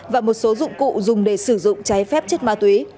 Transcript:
và một số dụng cụ dùng để sử dụng trái phép chất ma túy